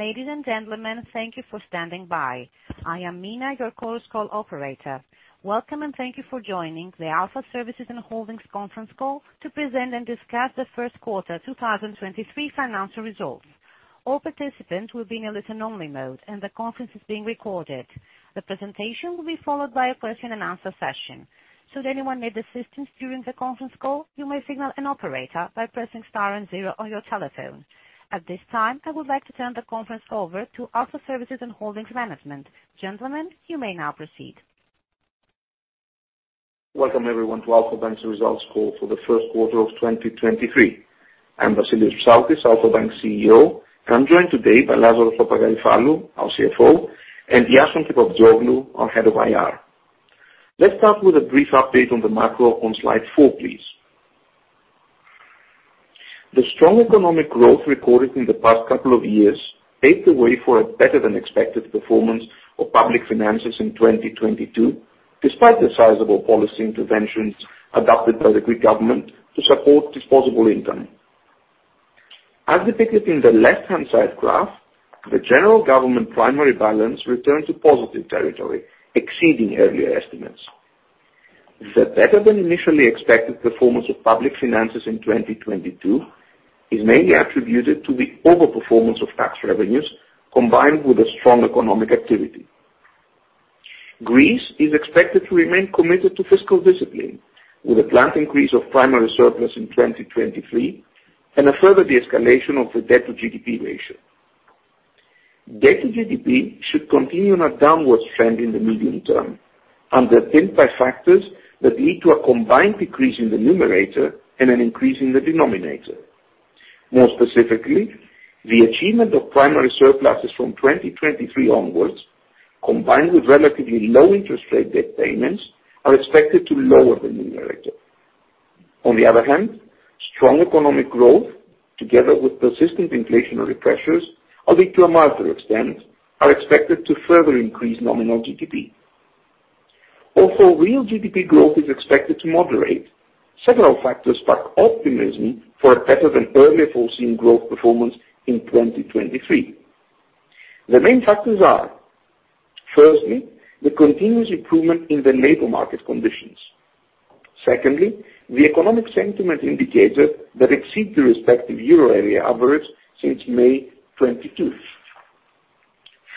Ladies and gentlemen, thank you for standing by. I am Mina, your Chorus Call operator. Welcome. Thank you for joining the Alpha Services and Holdings conference call to present and discuss the first quarter 2023 financial results. All participants will be in a listen-only mode. The conference is being recorded. The presentation will be followed by a question and answer session. Should anyone need assistance during the conference call, you may signal an operator by pressing star 0 on your telephone. At this time, I would like to turn the conference over to Alpha Services and Holdings management. Gentlemen, you may now proceed. Welcome everyone to Alpha Bank's results call for the first quarter of 2023. I am Vassilios Psaltis, Alpha Bank CEO. I am joined today by Lazaros Papagaryfallou, our CFO, and Iason Kepaptsoglou, our head of IR. Let's start with a brief update on the macro on slide 4, please. The strong economic growth recorded in the past couple of years paved the way for a better than expected performance of public finances in 2022, despite the sizable policy interventions adopted by the Greek government to support disposable income. As depicted in the left-hand side graph, the general government primary balance returned to positive territory, exceeding earlier estimates. The better than initially expected performance of public finances in 2022 is mainly attributed to the overperformance of tax revenues, combined with a strong economic activity. Greece is expected to remain committed to fiscal discipline, with a planned increase of primary surplus in 2023 and a further de-escalation of the debt to GDP ratio. Debt to GDP should continue on a downward trend in the medium term, underpinned by factors that lead to a combined decrease in the numerator and an increase in the denominator. More specifically, the achievement of primary surpluses from 2023 onwards, combined with relatively low interest rate debt payments, are expected to lower the numerator. On the other hand, strong economic growth, together with persistent inflationary pressures, albeit to a minor extent, are expected to further increase nominal GDP. Although real GDP growth is expected to moderate, several factors spark optimism for a better than earlier foreseen growth performance in 2023. The main factors are, firstly, the continuous improvement in the labor market conditions. Secondly, the economic sentiment indicator that exceed the respective Euro area average since May 23rd.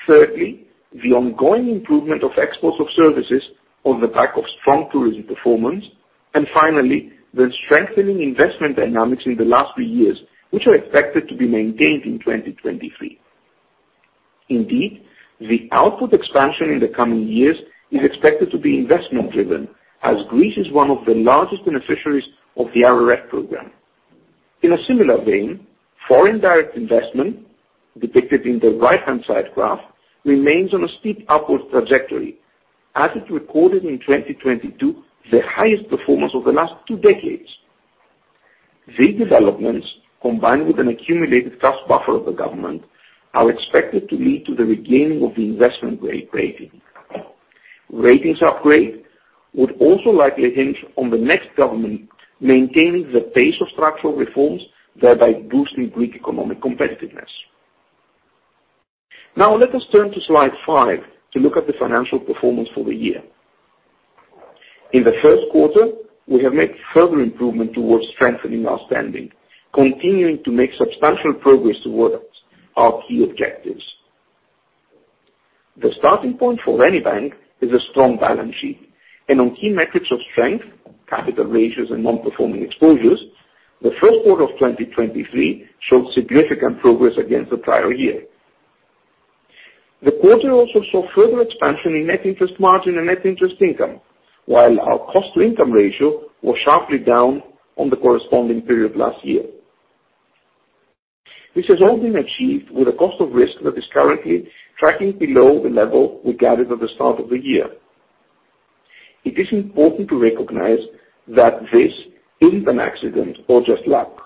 Thirdly, the ongoing improvement of exports of services on the back of strong tourism performance. Finally, the strengthening investment dynamics in the last 3 years, which are expected to be maintained in 2023. Indeed, the output expansion in the coming years is expected to be investment driven, as Greece is one of the largest beneficiaries of the RRF program. In a similar vein, foreign direct investment, depicted in the right-hand side graph, remains on a steep upward trajectory, as it recorded in 2022 the highest performance over the last 2 decades. These developments, combined with an accumulated cash buffer of the government, are expected to lead to the regaining of the investment grade rating. Ratings upgrade would also likely hinge on the next government maintaining the pace of structural reforms, thereby boosting Greek economic competitiveness. Let us turn to slide 5 to look at the financial performance for the year. In the first quarter, we have made further improvement towards strengthening our standing, continuing to make substantial progress towards our key objectives. The starting point for any bank is a strong balance sheet. On key metrics of strength, capital ratios, and non-performing exposures, the first quarter of 2023 showed significant progress against the prior year. The quarter also saw further expansion in net interest margin and net interest income, while our cost to income ratio was sharply down on the corresponding period last year. This has all been achieved with a cost of risk that is currently tracking below the level we gathered at the start of the year. It is important to recognize that this isn't an accident or just luck.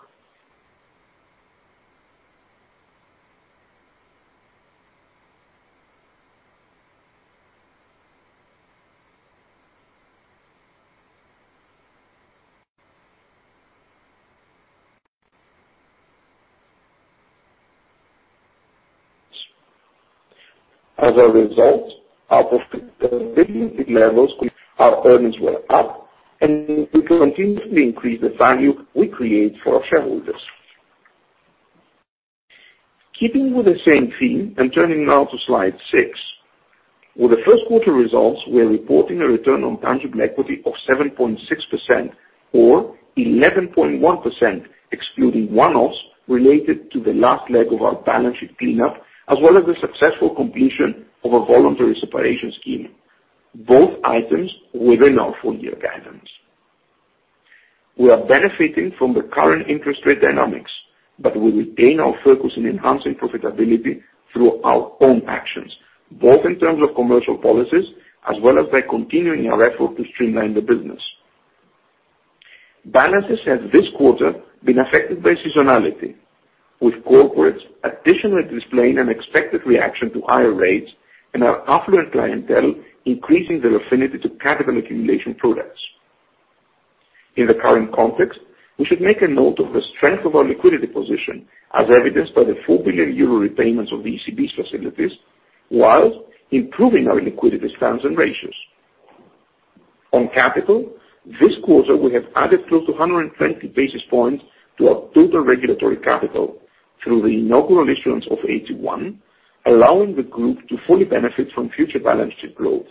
As a result, our profitability levels, our earnings were up, and we continuously increase the value we create for our shareholders. Keeping with the same theme and turning now to slide 6. With the first quarter results, we are reporting a return on tangible equity of 7.6% or 11.1%, excluding one-offs related to the last leg of our balance sheet cleanup, as well as the successful completion of a voluntary separation scheme. Both items within our full year guidance. We are benefiting from the current interest rate dynamics, we retain our focus in enhancing profitability through our own actions, both in terms of commercial policies as well as by continuing our effort to streamline the business. Balances have this quarter been affected by seasonality, with corporates additionally displaying an expected reaction to higher rates and our affluent clientele increasing their affinity to capital accumulation products. In the current context, we should make a note of the strength of our liquidity position as evidenced by the 4 billion euro repayments of the ECB's facilities, while improving our liquidity stands and ratios. On capital, this quarter we have added close to 120 basis points to our total regulatory capital through the inaugural issuance of AT1, allowing the group to fully benefit from future balance sheet growth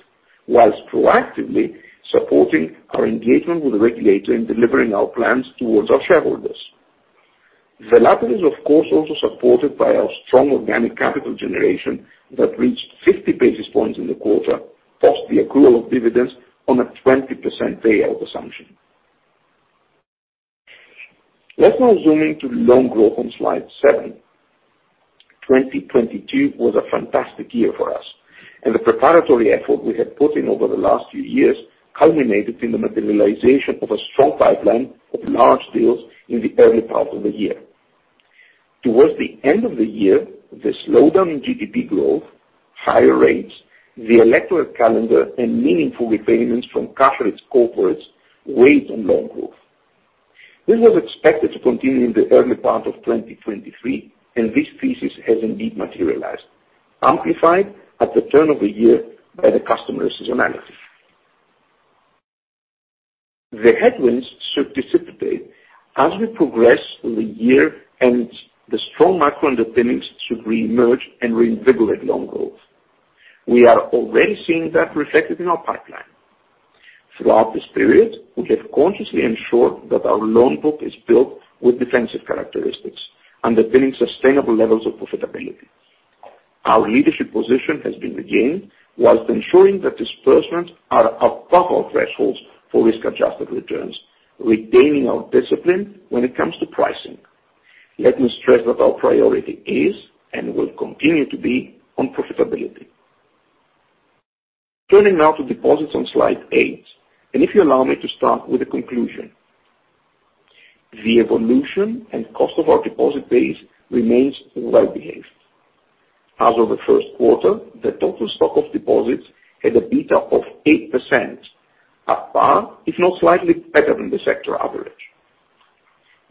while proactively supporting our engagement with the regulator in delivering our plans towards our shareholders. The latter is, of course, also supported by our strong organic capital generation that reached 50 basis points in the quarter, post the accrual of dividends on a 20% payout assumption. Let me zoom into loan growth on slide 7. 2022 was a fantastic year for us, and the preparatory effort we had put in over the last few years culminated in the materialization of a strong pipeline of large deals in the early part of the year. Towards the end of the year, the slowdown in GDP growth, higher rates, the electoral calendar and meaningful repayments from corporates weighed on loan growth. This was expected to continue in the early part of 2023. This thesis has indeed materialized, amplified at the turn of the year by the customer seasonality. The headwinds should dissipate as we progress through the year. The strong macro underpinnings should re-emerge and reinvigorate loan growth. We are already seeing that reflected in our pipeline. Throughout this period, we have consciously ensured that our loan book is built with defensive characteristics underpinning sustainable levels of profitability. Our leadership position has been regained while ensuring that disbursements are above our thresholds for risk-adjusted returns, retaining our discipline when it comes to pricing. Let me stress that our priority is and will continue to be on profitability. Turning now to deposits on slide 8, and if you allow me to start with the conclusion. The evolution and cost of our deposit base remains well behaved. As of the first quarter, the total stock of deposits had a beta of 8%, at par, if not slightly better than the sector average.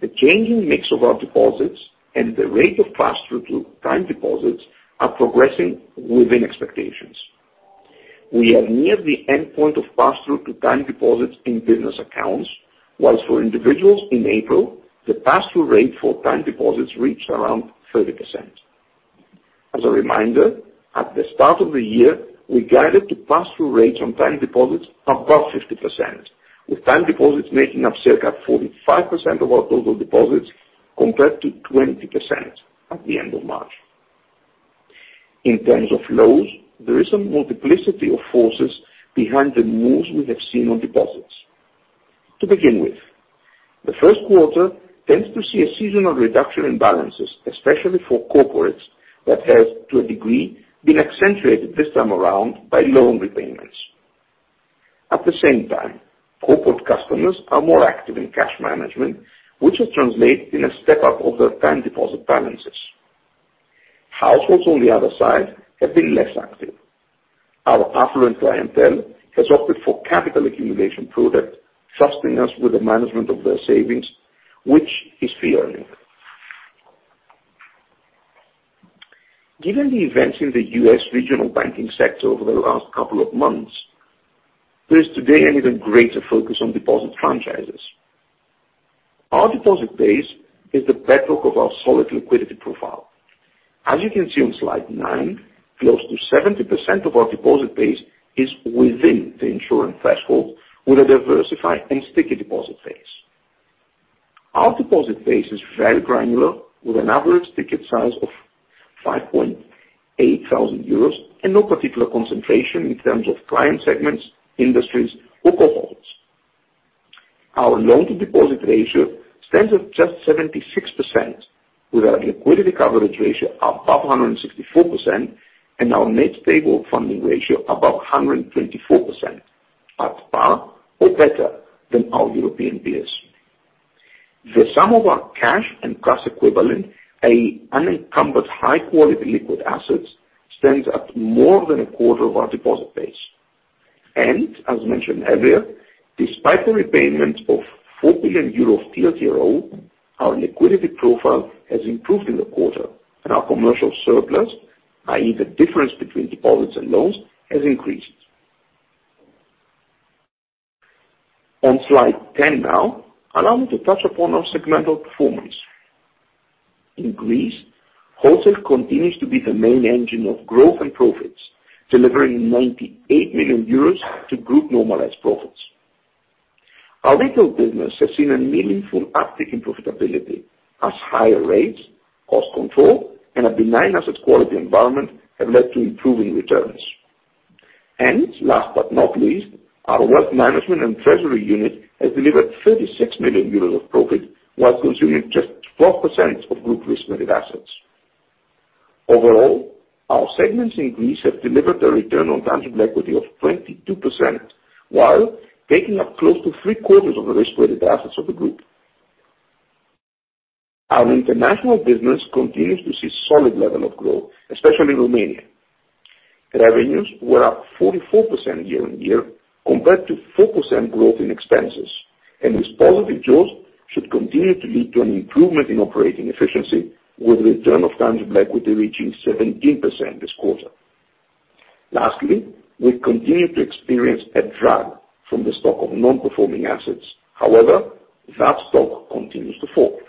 The changing mix of our deposits and the rate of pass-through to time deposits are progressing within expectations. We are near the endpoint of pass-through to time deposits in business accounts, while for individuals in April, the pass-through rate for time deposits reached around 30%. As a reminder, at the start of the year we guided to pass-through rates on time deposits above 50%, with time deposits making up circa 45% of our total deposits, compared to 20% at the end of March. In terms of loans, there is a multiplicity of forces behind the moves we have seen on deposits. To begin with, the first quarter tends to see a seasonal reduction in balances, especially for corporates, that has, to a degree, been accentuated this time around by loan repayments. At the same time, corporate customers are more active in cash management, which will translate in a step up of their time deposit balances. Households, on the other side, have been less active. Our affluent clientele has opted for capital accumulation products, trusting us with the management of their savings, which is fee earning. Given the events in the U.S. regional banking sector over the last couple of months, there is today an even greater focus on deposit franchises. Our deposit base is the bedrock of our solid liquidity profile. As you can see on slide 9, close to 70% of our deposit base is within the insurance threshold with a diversified and sticky deposit base. Our deposit base is very granular, with an average ticket size of 5.8 thousand euros and no particular concentration in terms of client segments, industries or corporates. Our loan-to-deposit ratio stands at just 76%, with our liquidity coverage ratio above 164% and our net stable funding ratio above 124%, at par or better than our European peers. The sum of our cash and cash equivalent, a unencumbered high quality liquid assets, stands at more than a quarter of our deposit base. As mentioned earlier, despite the repayment of 4 billion euro TLTRO, our liquidity profile has improved in the quarter and our commercial surplus, i.e. the difference between deposits and loans, has increased. On slide 10 now, allow me to touch upon our segmental performance. In Greece, wholesale continues to be the main engine of growth and profits, delivering 98 million euros to group normalized profits. Our retail business has seen a meaningful uptick in profitability as higher rates, cost control and a benign asset quality environment have led to improving returns. Last but not least, our wealth management and treasury unit has delivered 36 million euros of profit while consuming just 12% of group risk-weighted assets. Overall, our segments in Greece have delivered a return on tangible equity of 22%, while taking up close to three quarters of the risk-weighted assets. Our international business continues to see solid level of growth, especially Romania. Revenues were up 44% year-over-year compared to 4% growth in expenses. This positive growth should continue to lead to an improvement in operating efficiency with return of tangible equity reaching 17% this quarter. Lastly, we continue to experience a drag from the stock of non-performing assets. However, that stock continues to fall.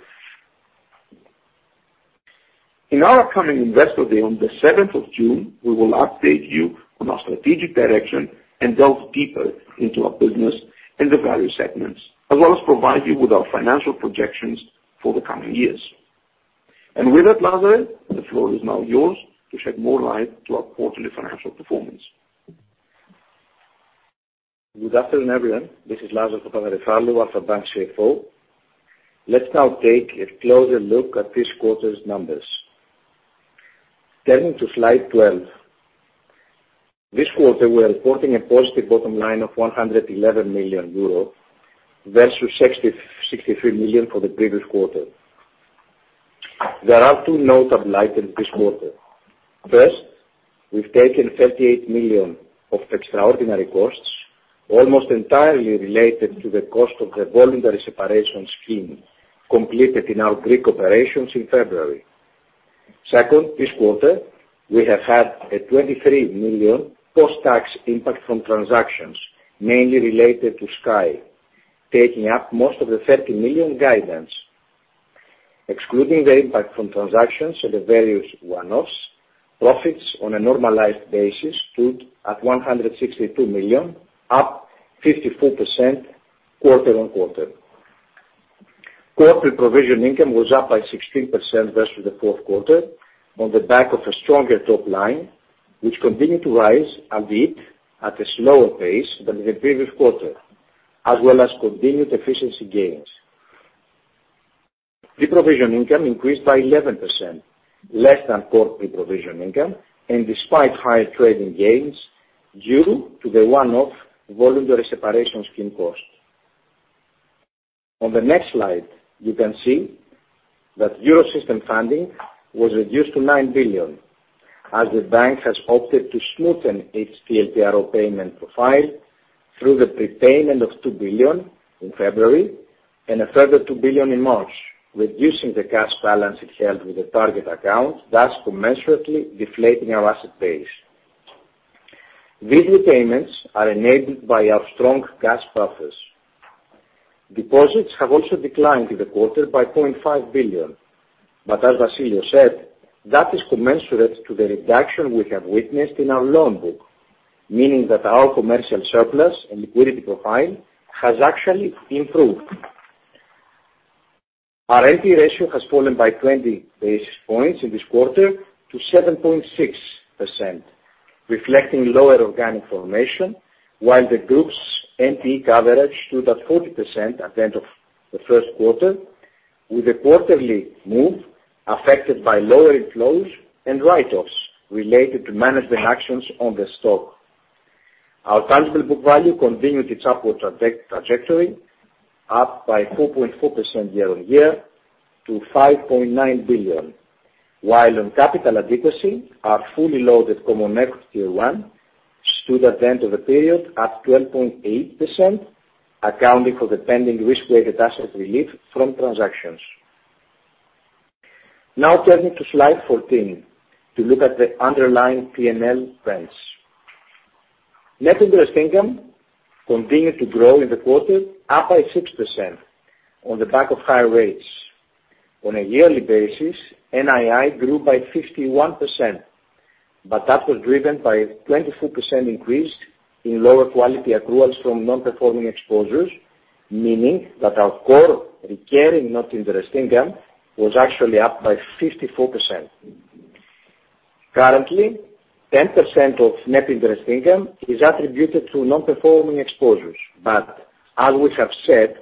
In our upcoming investor day on the seventh of June, we will update you on our strategic direction and delve deeper into our business in the value segments, as well as provide you with our financial projections for the coming years. With that, Lazar, the floor is now yours to shed more light to our quarterly financial performance. Good afternoon, everyone. This is Lazaros Papagaryfallou, Alpha Bank CFO. Let's now take a closer look at this quarter's numbers. Turning to slide 12. This quarter, we are reporting a positive bottom line of 111 million euro versus 63 million for the previous quarter. There are two notes of light in this quarter. First, we've taken 38 million of extraordinary costs, almost entirely related to the cost of the voluntary separation scheme completed in our Greek operations in February. Second, this quarter we have had a 23 million post-tax impact from transactions mainly related to Sky, taking up most of the 30 million guidance. Excluding the impact from transactions or the various one-offs, profits on a normalized basis stood at 162 million, up 54% quarter-on-quarter. Corporate provision income was up by 16% versus the fourth quarter on the back of a stronger top line, which continued to rise, albeit at a slower pace than in the previous quarter, as well as continued efficiency gains. Pre-provision income increased by 11% less than corporate provision income and despite higher trading gains due to the one-off voluntary separation scheme cost. On the next slide, you can see that Eurosystem funding was reduced to 9 billion as the bank has opted to smoothen its TLTRO payment profile through the prepayment of 2 billion in February and a further 2 billion in March, reducing the cash balance it held with the Target account, thus commensurately deflating our asset base. These repayments are enabled by our strong cash surplus. Deposits have also declined in the quarter by 0.5 billion. As Vasilis said, that is commensurate to the reduction we have witnessed in our loan book, meaning that our commercial surplus and liquidity profile has actually improved. Our NPE ratio has fallen by 20 basis points in this quarter to 7.6%, reflecting lower organic formation, while the group's NPE coverage stood at 40% at the end of the first quarter, with a quarterly move affected by lower inflows and write-offs related to management actions on the stock. Our tangible book value continued its upward trajectory, up by 4.4% year-over-year to 5.9 billion. On capital adequacy, our fully loaded CET1 stood at the end of the period at 12.8%, accounting for the pending risk-weighted assets relief from transactions. Turning to slide 14 to look at the underlying PNL trends. Net interest income continued to grow in the quarter, up by 6% on the back of higher rates. On a yearly basis, NII grew by 51%, that was driven by a 24% increase in lower quality accruals from non-performing exposures, meaning that our core recurring net interest income was actually up by 54%. Currently, 10% of net interest income is attributed to non-performing exposures. As we have said,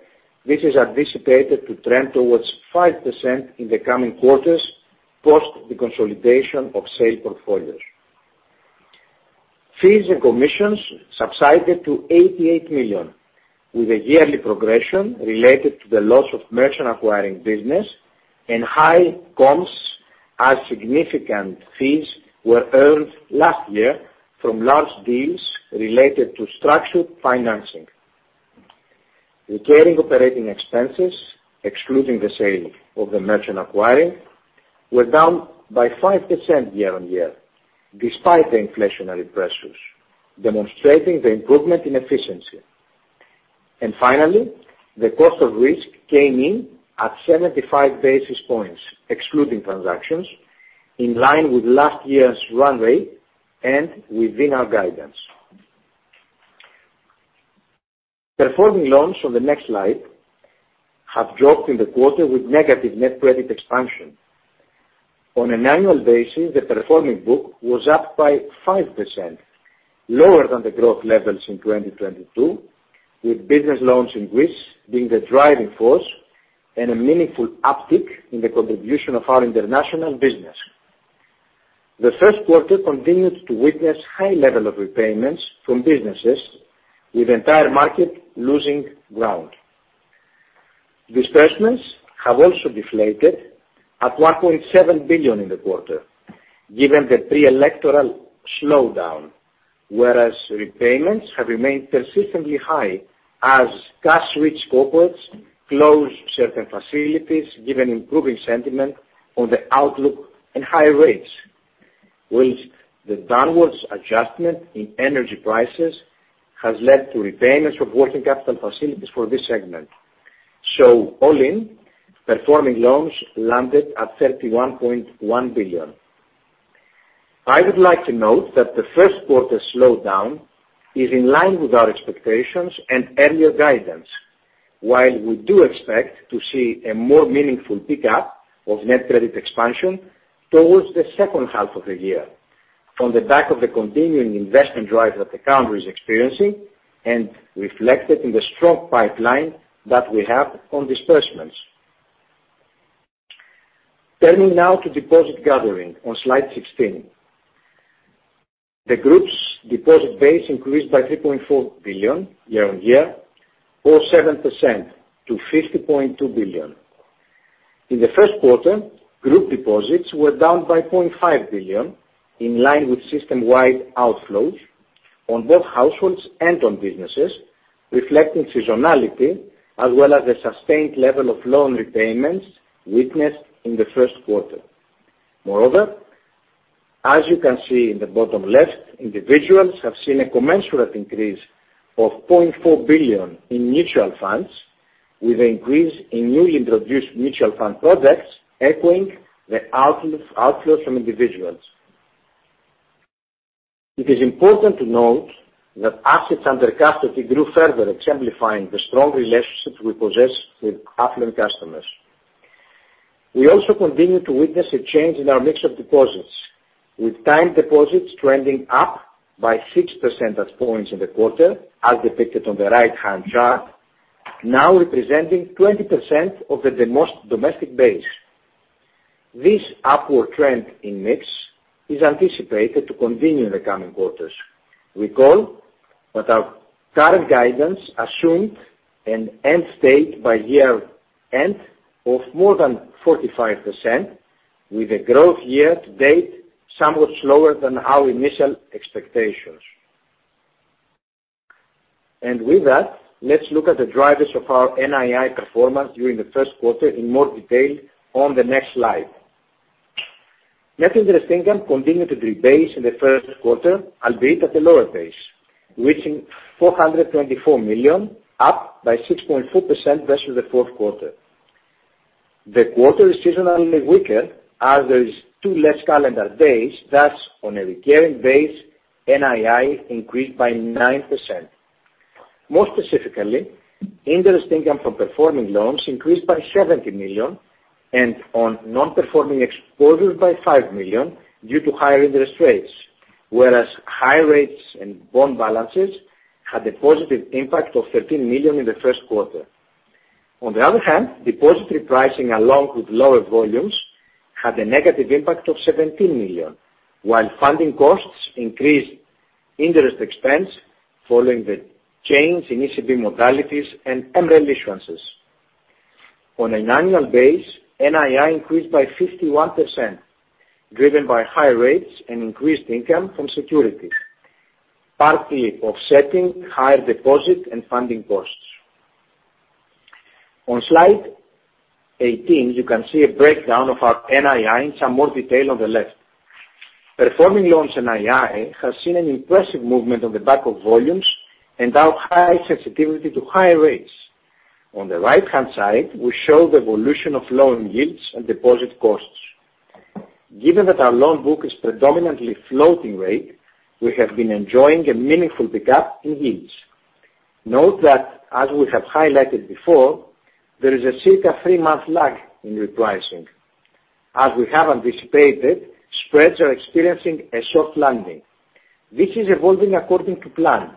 this is anticipated to trend towards 5% in the coming quarters post the consolidation of sale portfolios. Fees and commissions subsided to 88 million, with a yearly progression related to the loss of merchant acquiring business and high comms as significant fees were earned last year from large deals related to structured financing. Recurring operating expenses, excluding the sale of the merchant acquiring, were down by 5% year-on-year despite the inflationary pressures, demonstrating the improvement in efficiency. Finally, the cost of risk came in at 75 basis points, excluding transactions in line with last year's runway and within our guidance. Performing loans on the next slide have dropped in the quarter with negative net credit expansion. On an annual basis, the performing book was up by 5% lower than the growth levels in 2022, with business loans in Greece being the driving force and a meaningful uptick in the contribution of our international business. The first quarter continued to witness high level of repayments from businesses with entire market losing ground. Disbursement have also deflated at 1.7 billion in the quarter, given the pre-electoral slowdown, whereas repayments have remained persistently high as cash-rich corporates closed certain facilities, given improving sentiment on the outlook and higher rates. The downwards adjustment in energy prices has led to repayments of working capital facilities for this segment. All in, performing loans landed at 31.1 billion. I would like to note that the first quarter slowdown is in line with our expectations and earlier guidance. We do expect to see a more meaningful pickup of net credit expansion towards the second half of the year, on the back of the continuing investment drive that the country is experiencing and reflected in the strong pipeline that we have on disbursements. Turning now to deposit gathering on slide 16. The group's deposit base increased by 3.4 billion year-on-year, or 7% to 50.2 billion. In the first quarter, group deposits were down by 0.5 billion, in line with system-wide outflows on both households and on businesses, reflecting seasonality as well as a sustained level of loan repayments witnessed in the first quarter. Moreover, as you can see in the bottom left, individuals have seen a commensurate increase of 0.4 billion in mutual funds with an increase in newly introduced mutual fund products echoing the outflow from individuals. It is important to note that assets under custody grew further, exemplifying the strong relationships we possess with affluent customers. We also continue to witness a change in our mix of deposits, with time deposits trending up by 6% at points in the quarter, as depicted on the right-hand chart, now representing 20% of the domestic base. This upward trend in mix is anticipated to continue in the coming quarters. Recall that our current guidance assumed an end state by year end of more than 45%, with a growth year to date somewhat slower than our initial expectations. With that, let's look at the drivers of our NII performance during the first quarter in more detail on the next slide. Net interest income continued to debase in the first quarter, albeit at a lower pace, reaching 424 million, up by 6.4% versus the fourth quarter. The quarter is seasonally weaker as there is two less calendar days. On a recurring basis, NII increased by 9%. More specifically, interest income from performing loans increased by 70 million and on non-performing exposures by 5 million due to higher interest rates, whereas high rates and bond balances had a positive impact of 13 million in the first quarter. On the other hand, deposit repricing along with lower volumes, had a negative impact of 17 million, while funding costs increased interest expense following the change in ECB modalities and MREL issuances. On an annual basis, NII increased by 51%, driven by higher rates and increased income from securities, partly offsetting higher deposit and funding costs. On slide 18, you can see a breakdown of our NII in some more detail on the left. Performing loans NII has seen an impressive movement on the back of volumes and our high sensitivity to higher rates. On the right-hand side, we show the evolution of loan yields and deposit costs. Given that our loan book is predominantly floating rate, we have been enjoying a meaningful pickup in yields. Note that as we have highlighted before, there is a circa 3-month lag in repricing. As we have anticipated, spreads are experiencing a soft landing. This is evolving according to plan,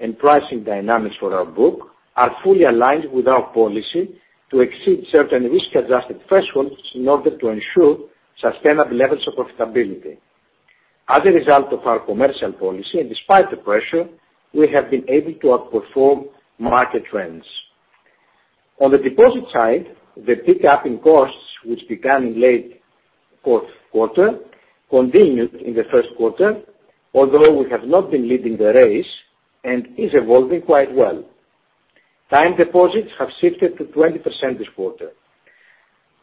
and pricing dynamics for our book are fully aligned with our policy to exceed certain risk-adjusted thresholds in order to ensure sustainable levels of profitability. As a result of our commercial policy and despite the pressure, we have been able to outperform market trends. On the deposit side, the pickup in costs, which began in late fourth quarter, continued in the first quarter. Although we have not been leading the race and is evolving quite well. Time deposits have shifted to 20% this quarter.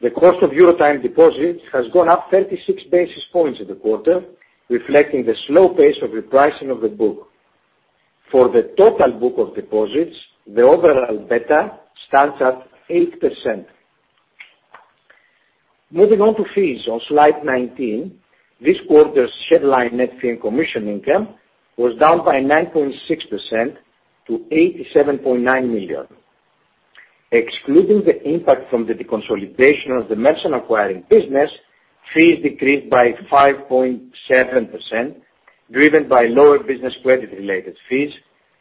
The cost of EUR time deposits has gone up 36 basis points in the quarter, reflecting the slow pace of repricing of the book. For the total book of deposits, the overall beta stands at 8%. Moving on to fees on slide 19. This quarter's headline net fee and commission income was down by 9.6% to 87.9 million. Excluding the impact from the deconsolidation of the merchant acquiring business, fees decreased by 5.7%, driven by lower business credit related fees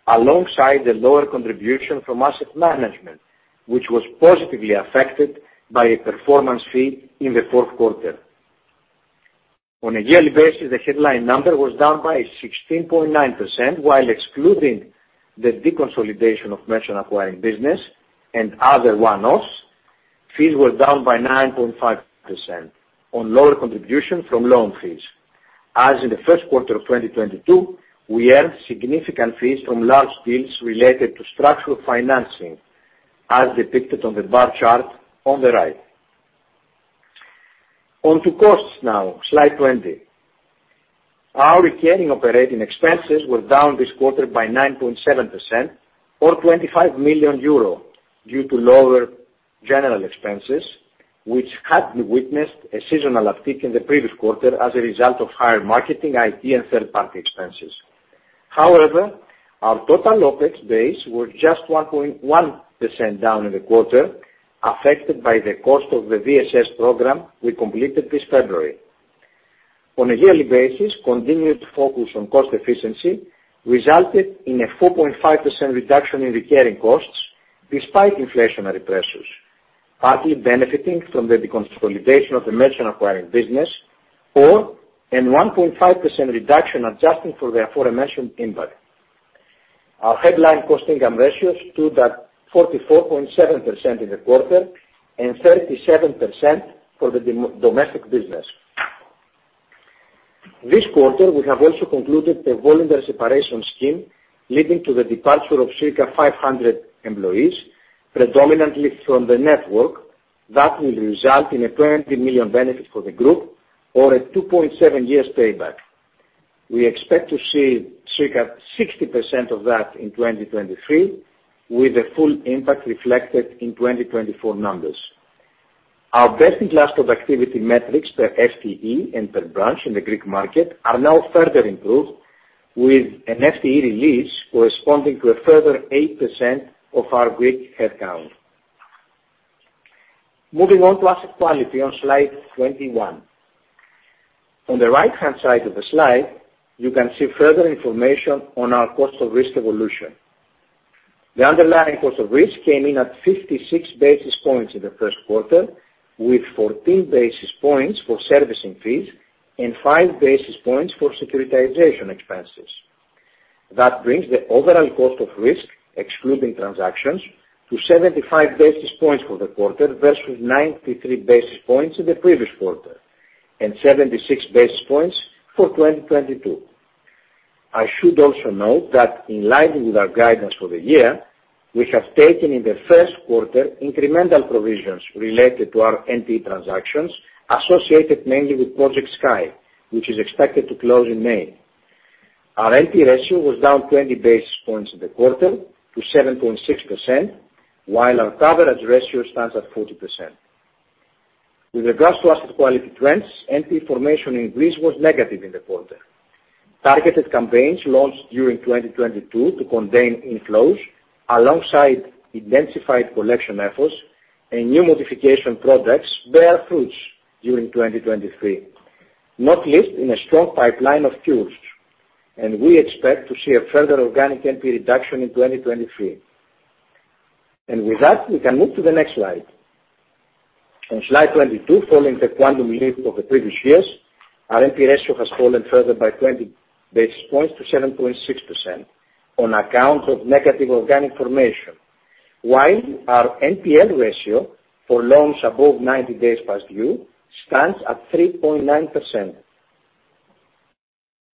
alongside the lower contribution from asset management, which was positively affected by a performance fee in the fourth quarter. On a yearly basis, the headline number was down by 16.9%, while excluding the deconsolidation of merchant acquiring business and other one-offs. Fees were down by 9.5% on lower contribution from loan fees. As in the first quarter of 2022, we earned significant fees from large deals related to structural financing, as depicted on the bar chart on the right. On to costs now. Slide 20. Our recurring operating expenses were down this quarter by 9.7% or 25 million euro due to lower general expenses, which had witnessed a seasonal uptick in the previous quarter as a result of higher marketing, IT, and third party expenses. However, our total OpEx base were just 1.1% down in the quarter, affected by the cost of the VSS program we completed this February. On a yearly basis, continued focus on cost efficiency resulted in a 4.5% reduction in recurring costs despite inflationary pressures, partly benefiting from the deconsolidation of the merchant acquiring business or an 1.5% reduction adjusting for the aforementioned impact. Our headline cost-income ratio stood at 44.7% in the quarter and 37% for the domestic business. This quarter, we have also concluded a volunteer separation scheme leading to the departure of circa 500 employees, predominantly from the network that will result in a 20 million benefit for the group or a 2.7 year payback. We expect to see circa 60% of that in 2023, with the full impact reflected in 2024 numbers. Our best-in-class productivity metrics per FTE and per branch in the Greek market are now further improved with an FTE release corresponding to a further 8% of our Greek headcount. Moving on to asset quality on slide 21. On the right-hand side of the slide, you can see further information on our cost of risk evolution. The underlying cost of risk came in at 56 basis points in the first quarter, with 14 basis points for servicing fees and 5 basis points for securitization expenses. That brings the overall cost of risk, excluding transactions, to 75 basis points for the quarter versus 93 basis points in the previous quarter and 76 basis points for 2022. I should also note that in line with our guidance for the year, we have taken in the first quarter incremental provisions related to our NPE transactions associated mainly with Project Sky, which is expected to close in May. Our NPE ratio was down 20 basis points in the quarter to 7.6%, while our coverage ratio stands at 40%. With regards to asset quality trends, NPE formation in Greece was negative in the quarter. Targeted campaigns launched during 2022 to contain inflows alongside intensified collection efforts and new modification products bear fruits during 2023, not least in a strong pipeline of deals. We expect to see a further organic NPE reduction in 2023. With that, we can move to the next slide. On slide 22, following the quantum leap of the previous years, our NPE ratio has fallen further by 20 basis points to 7.6% on account of negative organic formation. While our NPL ratio for loans above 90 days past due stands at 3.9%.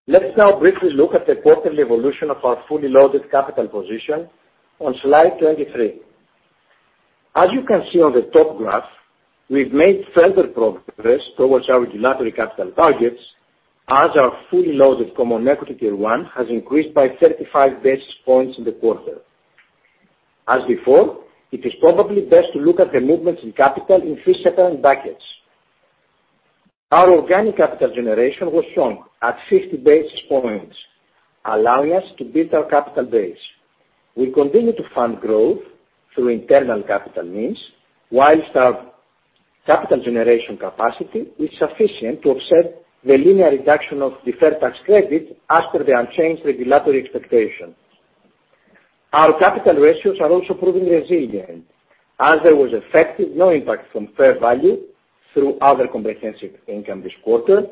Let's now briefly look at the quarterly evolution of our fully loaded capital position on slide 23. As you can see on the top graph, we've made further progress towards our regulatory capital targets as our fully loaded Common Equity Tier 1 has increased by 35 basis points in the quarter. As before, it is probably best to look at the movements in capital in 3 separate buckets. Our organic capital generation was strong at 50 basis points, allowing us to build our capital base. We continue to fund growth through internal capital means whilst our capital generation capacity is sufficient to offset the linear reduction of deferred tax credits as per the unchanged regulatory expectations. Our capital ratios are also proving resilient as there was effective no impact from Fair Value Through Other Comprehensive Income this quarter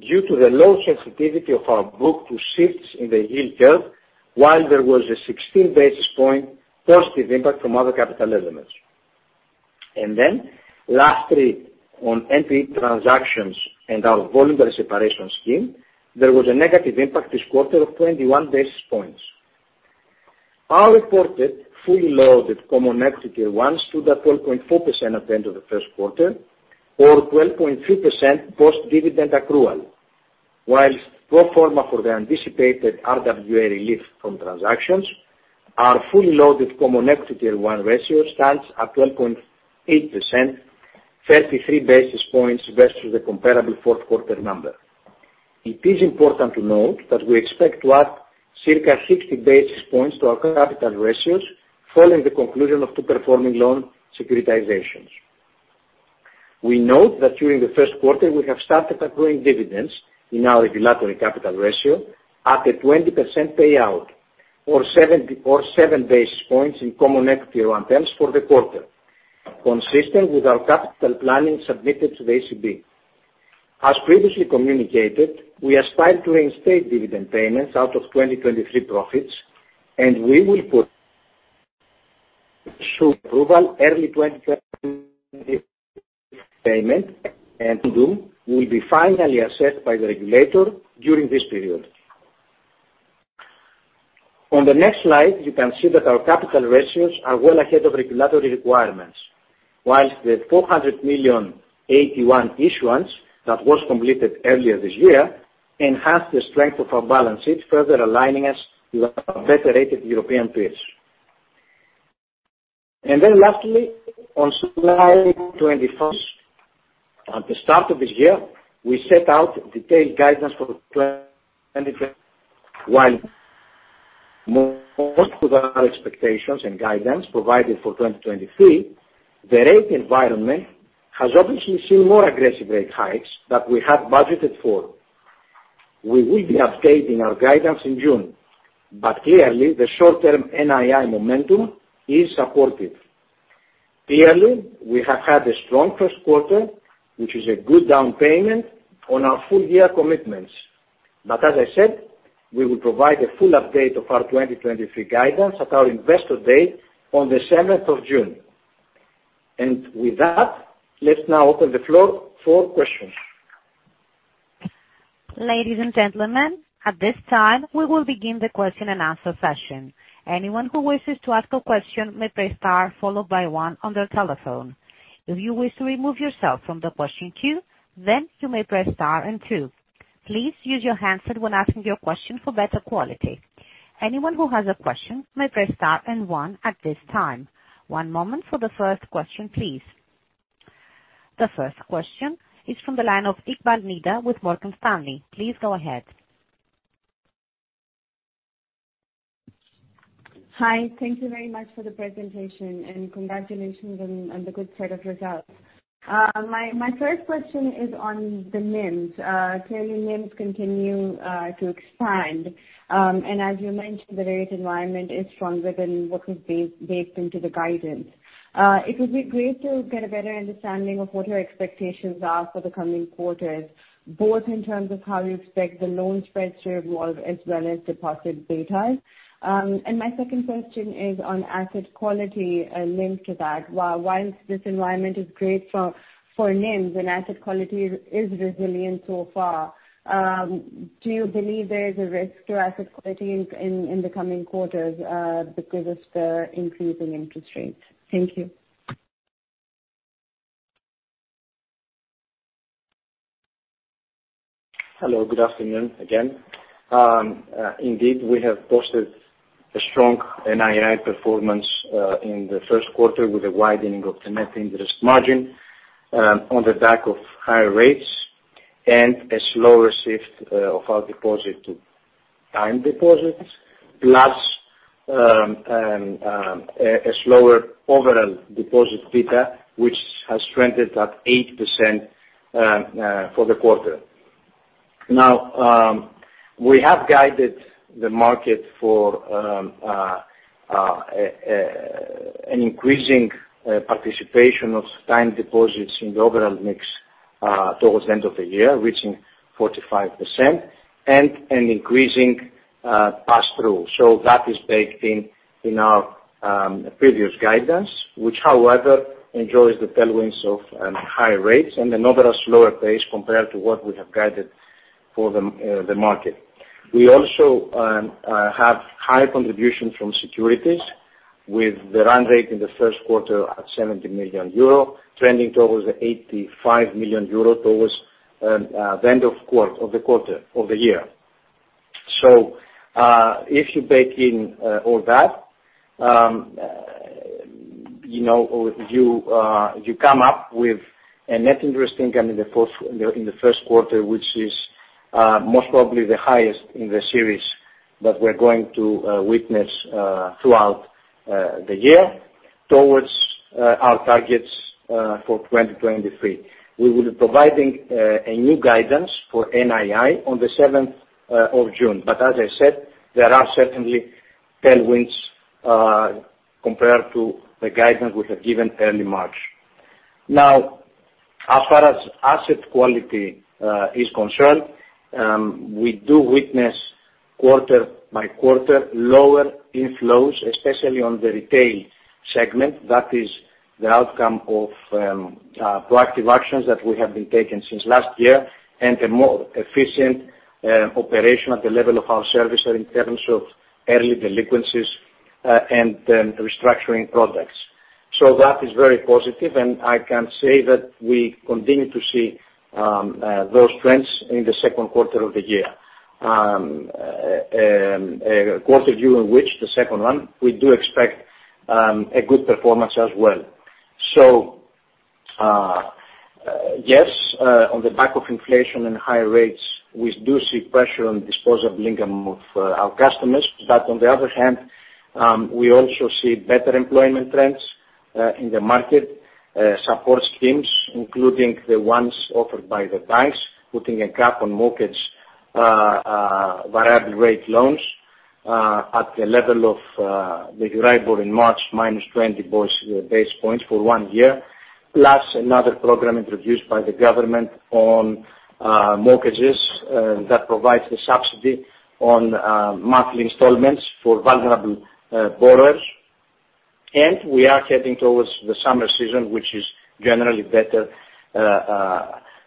due to the low sensitivity of our book to shifts in the yield curve while there was a 16 basis point positive impact from other capital elements. Lastly, on NPE transactions and our voluntary separation scheme, there was a negative impact this quarter of 21 basis points. Our reported fully loaded common equity one stood at 12.4% at the end of the first quarter or 12.3% post dividend accrual. Whilst pro forma for the anticipated RWA relief from transactions, our fully loaded common equity tier one ratio stands at 12.8%, 33 basis points versus the comparable fourth quarter number. It is important to note that we expect to add circa 60 basis points to our capital ratios following the conclusion of two performing loan securitizations. We note that during the first quarter, we have started accruing dividends in our regulatory capital ratio at a 20% payout or 7 basis points in common equity in terms for the quarter, consistent with our capital planning submitted to the ECB. As previously communicated, we aspire to reinstate dividend payments out of 2023 profits, and we will put early 2020 payment, and will be finally assessed by the regulator during this period. The next slide, you can see that our capital ratios are well ahead of regulatory requirements. The 400 million AT1 issuance that was completed earlier this year enhanced the strength of our balance sheet, further aligning us with our better rated European peers. Lastly, on slide 21st. At the start of this year, we set out detailed guidance while most of our expectations and guidance provided for 2023, the rate environment has obviously seen more aggressive rate hikes that we have budgeted for. We will be updating our guidance in June, clearly the short term NII momentum is supportive. Clearly, we have had a strong first quarter, which is a good down payment on our full year commitments. As I said, we will provide a full update of our 2023 guidance at our investor date on the 7th of June. With that, let's now open the floor for questions. Ladies and gentlemen, at this time, we will begin the question and answer session. Anyone who wishes to ask a question may press star followed by one on their telephone. If you wish to remove yourself from the question queue, you may press star and two. Please use your handset when asking your question for better quality. Anyone who has a question may press star and one at this time. One moment for the first question, please. The first question is from the line of Nida Iqbal with Morgan Stanley. Please go ahead. Hi, thank you very much for the presentation, congratulations on the good set of results. My first question is on the NIMs. Clearly NIMs continue to expand. As you mentioned, the rate environment is stronger than what was based into the guidance. It would be great to get a better understanding of what your expectations are for the coming quarters, both in terms of how you expect the loan spreads to evolve as well as deposit betas. My second question is on asset quality, linked to that. While this environment is great for NIMs and asset quality is resilient so far, do you believe there is a risk to asset quality in the coming quarters because of the increasing interest rates? Thank you. Hello. Good afternoon again. Indeed, we have posted a strong NII performance in the first quarter with a widening of net interest margin on the back of higher rates and a slower shift of our deposit to time deposits, plus a slower overall deposit beta, which has strengthened at 8% for the quarter. We have guided the market for an increasing participation of time deposits in the overall mix towards the end of the year, reaching 45%, and an increasing pass through. That is baked in our previous guidance, which however enjoys the tailwinds of higher rates and an overall slower pace compared to what we have guided for the market. We also have high contribution from securities with the run rate in the first quarter at 70 million euro, trending towards 85 million euro towards the end of the quarter, of the year. If you bake in all that, you know, you come up with a net interest income in the first quarter, which is most probably the highest in the series that we're going to witness throughout the year towards our targets for 2023. We will be providing a new guidance for NII on the 7th of June. As I said, there are certainly tailwinds compared to the guidance we have given early March. As far as asset quality is concerned, we do witness quarter by quarter lower inflows, especially on the retail segment. That is the outcome of proactive actions that we have been taking since last year, and a more efficient operation at the level of our servicer in terms of early delinquencies and restructuring products. That is very positive, and I can say that we continue to see those trends in the second quarter of the year. Quarter view in which the second one, we do expect a good performance as well. Yes, on the back of inflation and higher rates, we do see pressure on disposable income of our customers. On the other hand, we also see better employment trends in the market, support schemes, including the ones offered by the banks, putting a cap on mortgage variable rate loans at the level of the rate borrowed in March minus 20 base points for one year, plus another program introduced by the government on mortgages that provides a subsidy on monthly installments for vulnerable borrowers. And we are heading towards the summer season, which is generally better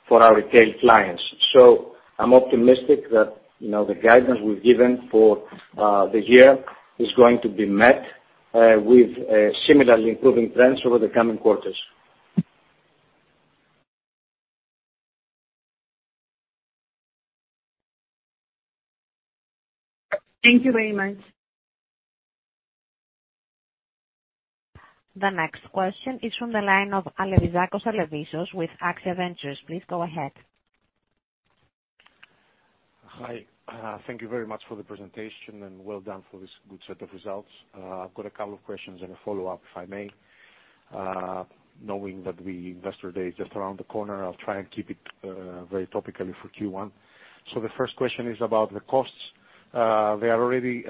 for our retail clients. So I'm optimistic that, you know, the guidance we've given for the year is going to be met with similarly improving trends over the coming quarters. Thank you very much. The next question is from the line of Alevizos Alevizakos with AXIA Ventures. Please go ahead. Hi, thank you very much for the presentation, and well done for this good set of results. I've got a couple of questions and a follow-up, if I may. Knowing that the investor day is just around the corner, I'll try and keep it very topically for Q1. The first question is about the costs. They are already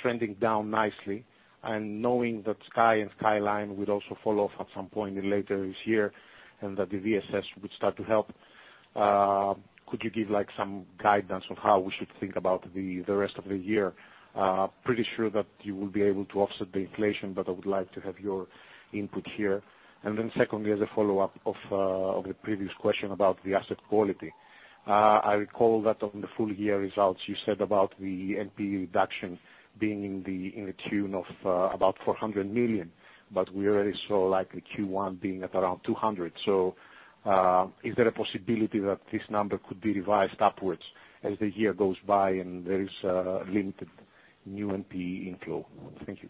trending down nicely, and knowing that Sky and Skyline would also fall off at some point later this year and that the VSS would start to help, could you give, like, some guidance on how we should think about the rest of the year? Pretty sure that you will be able to offset the inflation, but I would like to have your input here. Secondly, as a follow-up of the previous question about the asset quality, I recall that on the full year results, you said about the NPE reduction being in the tune of about 400 million, but we already saw, like, the Q1 being at around 200 million. Is there a possibility that this number could be revised upwards as the year goes by and there is limited new NPE inflow? Thank you.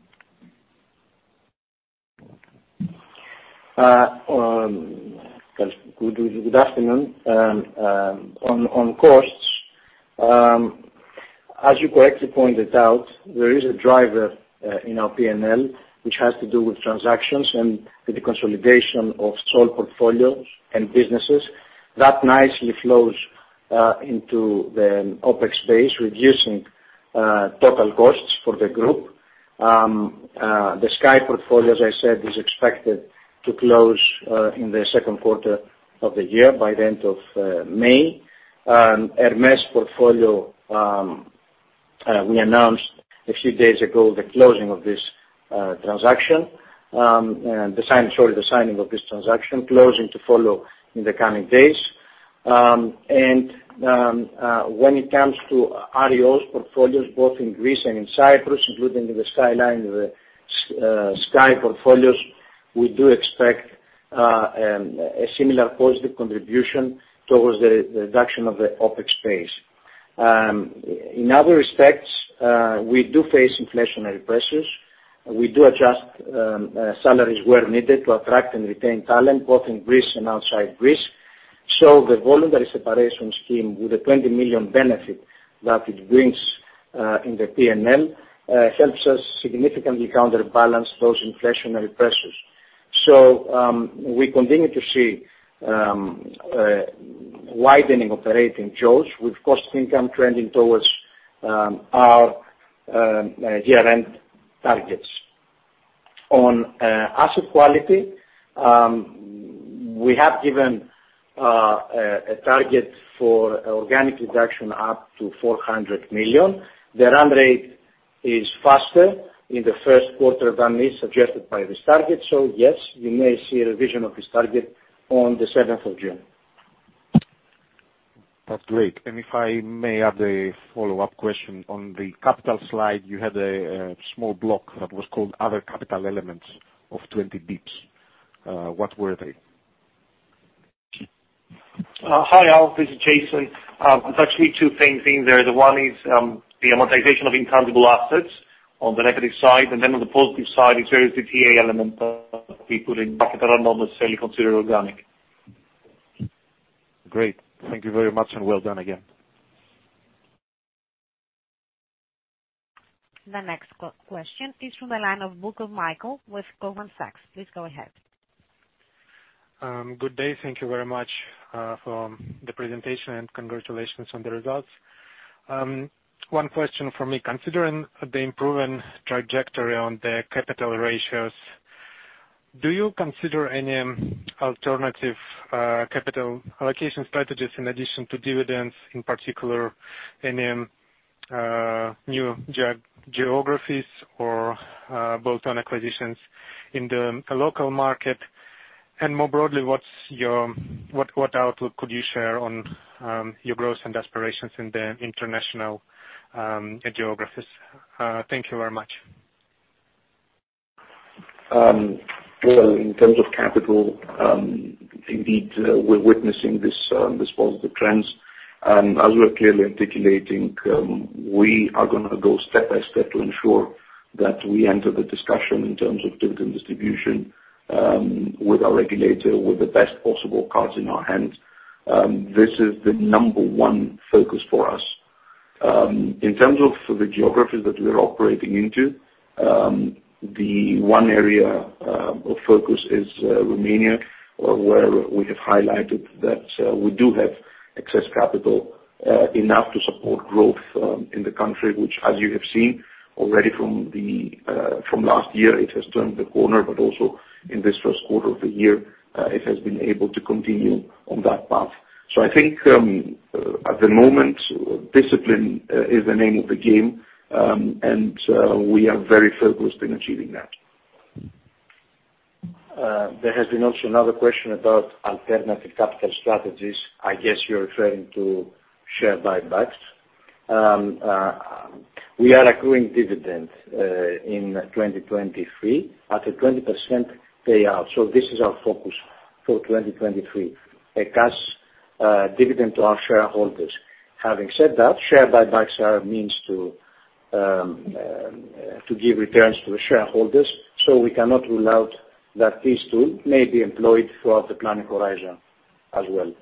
Good afternoon. On costs, as you correctly pointed out, there is a driver in our P&L, which has to do with transactions and with the consolidation of sold portfolios and businesses. That nicely flows into the OpEx space, reducing total costs for the group. The Sky portfolio, as I said, is expected to close in the second quarter of the year by the end of May. Hermes portfolio, we announced a few days ago the closing of this transaction, the signing of this transaction, closing to follow in the coming days. When it comes to REO portfolios, both in Greece and in Cyprus, including the Skyline, Sky portfolios, we do expect a similar positive contribution towards the reduction of the OpEx space. In other respects, we do face inflationary pressures. We do adjust salaries where needed to attract and retain talent, both in Greece and outside Greece. The voluntary separation scheme with the 20 million benefit that it brings in the PNL helps us significantly counterbalance those inflationary pressures. we continue to see widening operating jaws with cost income trending towards our year-end targets. On asset quality, we have given a target for organic reduction up to 400 million. The run rate is faster in the first quarter than is suggested by this target. Yes, you may see a revision of this target on the seventh of June. That's great. If I may add a follow-up question. On the capital slide, you had a small block that was called other capital elements of 20 basis points. What were they? Hi, Alev. This is Iason. There's actually 2 things in there. The 1 is, the amortization of intangible assets on the negative side. On the positive side is there is the DTA element, we put in capital not necessarily considered organic. Great. Thank you very much, and well done again. The next question is from the line of Mikhail Butkov with Goldman Sachs. Please go ahead. Good day. Thank you very much for the presentation, and congratulations on the results. One question from me. Considering the improving trajectory on the capital ratios, do you consider any alternative capital allocation strategies in addition to dividends, in particular, any new geographies or bolt-on acquisitions in the local market? More broadly, what outlook could you share on your growth and aspirations in the international geographies? Thank you very much. Well, in terms of capital, indeed, we're witnessing this positive trends. As we're clearly articulating, we are gonna go step by step to ensure that we enter the discussion in terms of dividend distribution with our regulator, with the best possible cards in our hands. This is the number one focus for us. In terms of the geographies that we're operating into, the one area of focus is Romania or where we have highlighted that we do have excess capital enough to support growth in the country, which as you have seen already from the from last year, it has turned the corner, but also in this first quarter of the year, it has been able to continue on that path. I think, at the moment, discipline is the name of the game, and we are very focused in achieving that. There has been also another question about alternative capital strategies. I guess you're referring to share buybacks. We are accruing dividend in 2023 at a 20% payout. This is our focus for 2023, a cash dividend to our shareholders. Having said that, share buybacks are a means to give returns to the shareholders, we cannot rule out that this tool may be employed throughout the planning horizon as well.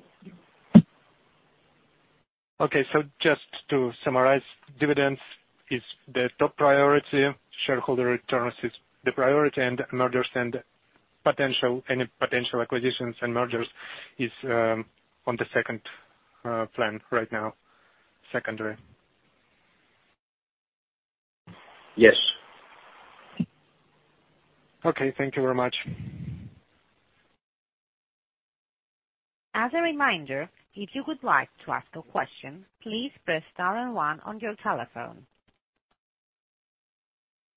Okay. Just to summarize, dividends is the top priority, shareholder returns is the priority, any potential acquisitions and mergers is on the second plan right now, secondary. Yes. Okay. Thank you very much. As a reminder, if you would like to ask a question, please press star and one on your telephone.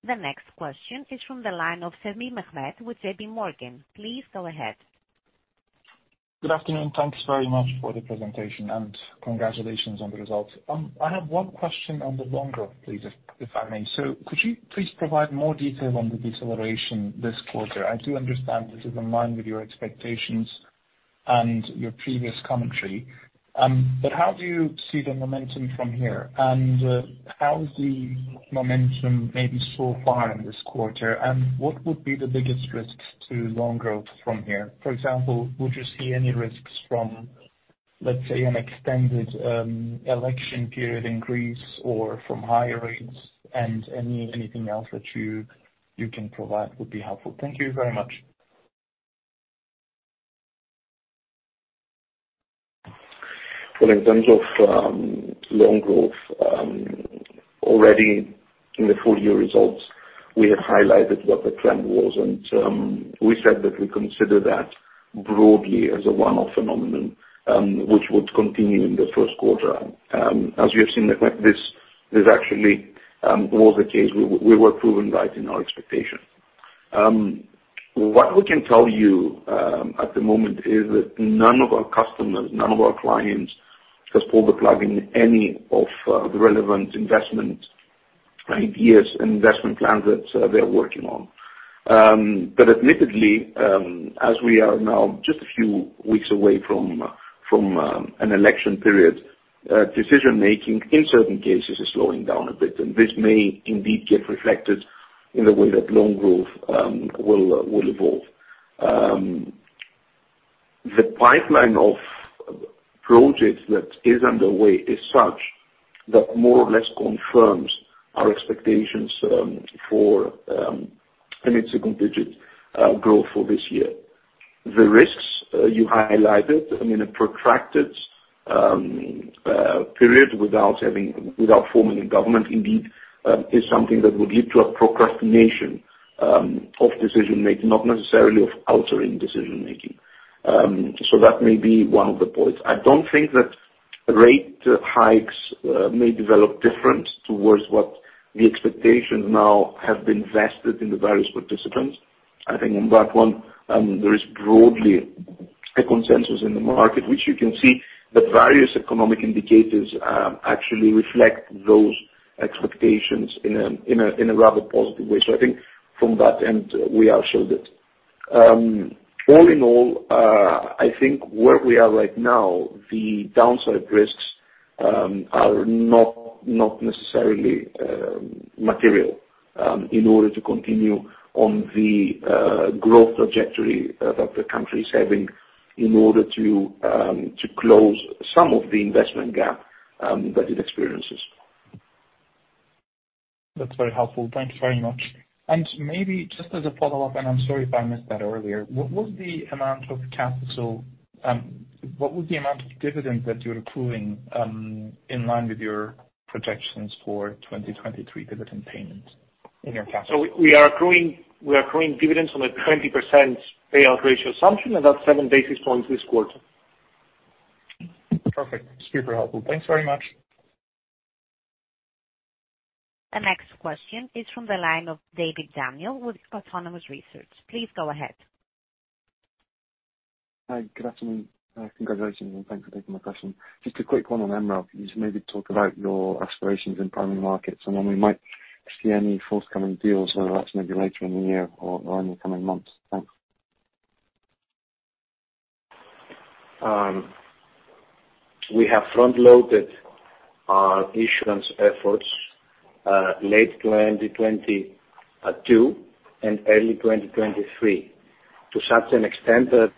The next question is from the line of Mehmet Sevim with JP Morgan. Please go ahead. Good afternoon. Thanks very much for the presentation, and congratulations on the results. I have one question on the loan growth, please, if I may. Could you please provide more detail on the deceleration this quarter? I do understand this is in line with your expectations and your previous commentary, but how do you see the momentum from here? How is the momentum maybe so far in this quarter, and what would be the biggest risks to loan growth from here? For example, would you see any risks from, let's say, an extended election period increase or from higher rates and anything else that you can provide would be helpful. Thank you very much. Well, in terms of loan growth, already in the full year results, we have highlighted what the trend was. We said that we consider that broadly as a one-off phenomenon, which would continue in the first quarter. As you have seen, in fact, this is actually was the case. We were proven right in our expectation. What we can tell you at the moment is that none of our customers, none of our clients has pulled the plug in any of the relevant investment ideas and investment plans that they're working on. Admittedly, as we are now just a few weeks away from an election period, decision-making in certain cases is slowing down a bit, and this may indeed get reflected in the way that loan growth will evolve. The pipeline of projects that is underway is such that more or less confirms our expectations for a mid-single digit growth for this year. The risks you highlighted, I mean, a protracted period without forming a government indeed is something that would lead to a procrastination of decision-making, not necessarily of altering decision-making. That may be one of the points. I don't think that rate hikes may develop different towards what the expectations now have been vested in the various participants. I think on that one, there is broadly a consensus in the market, which you can see that various economic indicators actually reflect those expectations in a rather positive way. I think from that end, we are sure that, all in all, I think where we are right now, the downside risks are not necessarily material in order to continue on the growth trajectory that the country is having in order to close some of the investment gap that it experiences. That's very helpful. Thank you very much. Maybe just as a follow-up, and I'm sorry if I missed that earlier. What was the amount of capital, what was the amount of dividend that you're accruing, in line with your projections for 2023 dividend payments in your capital? We are accruing dividends on a 20% payout ratio assumption, and that's 7 basis points this quarter. Perfect. Super helpful. Thanks very much. The next question is from the line of David Daniel with Autonomous Research. Please go ahead. Hi. Good afternoon. Congratulations and thanks for taking my question. Just a quick one on MREL. You just maybe talk about your aspirations in primary markets, and when we might see any forthcoming deals, whether that's maybe later in the year or in the coming months. Thanks. Um… We have front-loaded our issuance efforts, late 2022 and early 2023 to such an extent that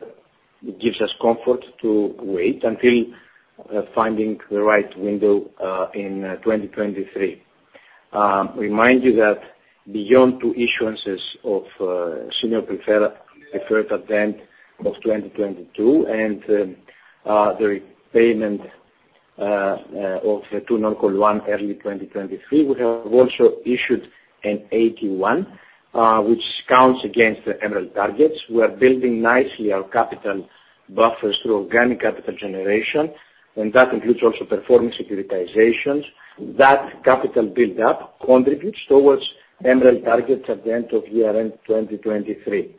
it gives us comfort to wait until finding the right window in 2023. Remind you that beyond 2 issuances of senior preferred at the end of 2022, and the repayment of the 2 non-call 1 early 2023, we have also issued an AT1, which counts against the MREL targets. We are building nicely our capital buffers through organic capital generation, and that includes also performing securitizations. That capital build up contributes towards MREL targets at the end of year-end 2023.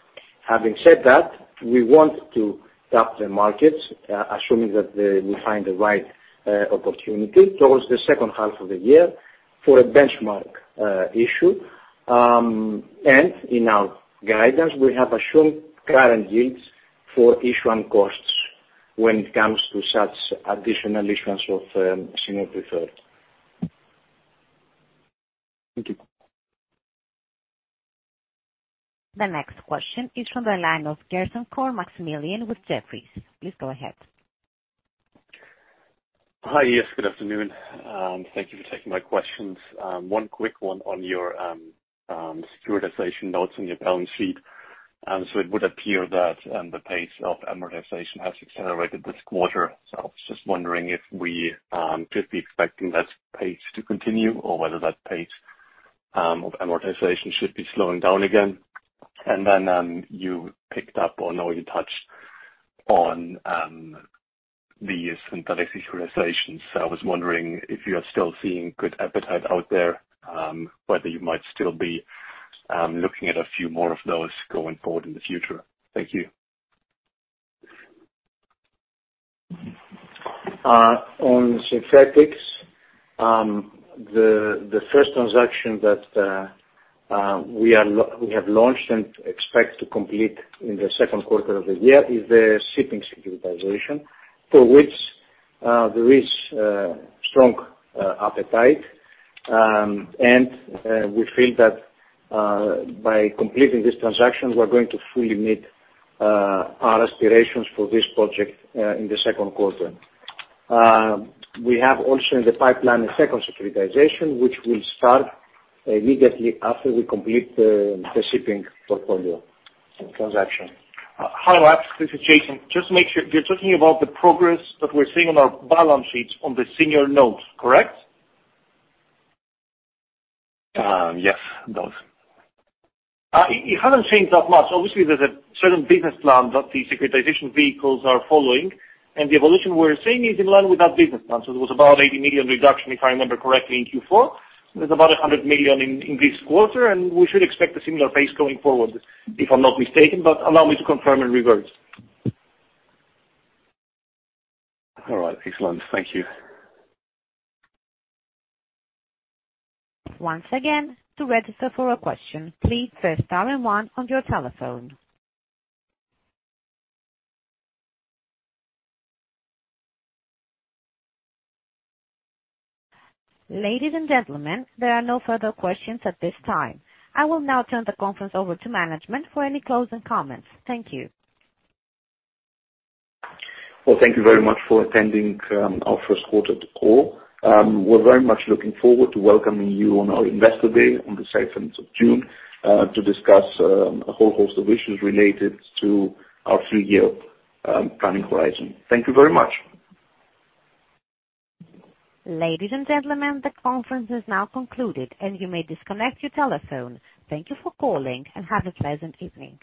Having said that, we want to tap the markets, assuming that they will find the right opportunity towards the second half of the year for a benchmark issue. In our guidance, we have assumed current yields for issuance costs when it comes to such additional issuance of senior preferred. Thank you. The next question is from the line of Alex Demetriou with Jefferies. Please go ahead. Hi, yes, good afternoon. Thank you for taking my questions. One quick one on your securitization notes on your balance sheet. It would appear that the pace of amortization has accelerated this quarter. I was just wondering if we could be expecting that pace to continue or whether that pace of amortization should be slowing down again. You picked up or you know you touched on the synthetic securitizations. I was wondering if you are still seeing good appetite out there, whether you might still be looking at a few more of those going forward in the future. Thank you. On synthetics, the first transaction that we have launched and expect to complete in the second quarter of the year is the shipping securitization, for which there is strong appetite. We feel that by completing this transaction, we're going to fully meet our aspirations for this project in the second quarter. We have also in the pipeline a second securitization, which will start immediately after we complete the shipping portfolio transaction. Hi, Alex, this is Iason. Just to make sure, you're talking about the progress that we're seeing on our balance sheets on the senior notes, correct? Yes, it does. It hasn't changed that much. Obviously, there's a certain business plan that the securitization vehicles are following, and the evolution we're seeing is in line with that business plan. There was about 80 million reduction, if I remember correctly, in Q4. There's about 100 million in this quarter, and we should expect a similar pace going forward, if I'm not mistaken, but allow me to confirm and revert. All right. Excellent. Thank you. Once again, to register for a question, please press star and one on your telephone. Ladies and gentlemen, there are no further questions at this time. I will now turn the conference over to management for any closing comments. Thank you. Well, thank you very much for attending, our first quarter call. We're very much looking forward to welcoming you on our investor day on the seventh of June, to discuss, a whole host of issues related to our three-year, planning horizon. Thank you very much. Ladies and gentlemen, the conference is now concluded, and you may disconnect your telephone. Thank you for calling, and have a pleasant evening.